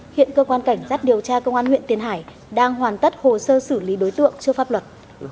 hiện cơ quan cảnh sát điều tra công an huyện tiền hải đang hoàn tất hồ sơ xử lý đối tượng trước pháp luật